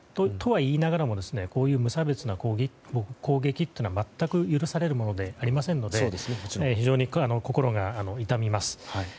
とはいいながらもこういう無差別な攻撃というのは全く許されるものではありませんので非常に心が痛みます。